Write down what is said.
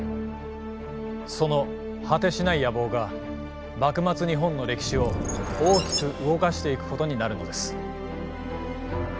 その果てしない野望が幕末日本の歴史を大きく動かしていくことになるのです。